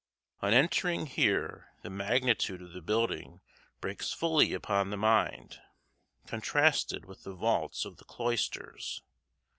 On entering here the magnitude of the building breaks fully upon the mind, contrasted with the vaults of the cloisters.